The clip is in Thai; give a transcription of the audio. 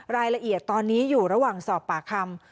รายละเอียดตอนนี้อยู่ระหว่างสอบปากคำ